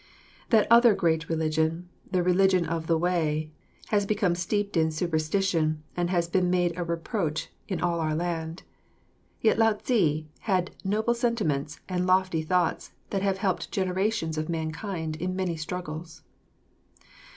That other great religion, the religion of the Way, has become steeped in superstition and has been made a reproach in all our land. Yet Lao Tze had noble sentiments and lofty thoughts that have helped generations of mankind in many struggles.